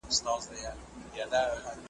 ذهن چي صفا وي خیالات به صفا وي ,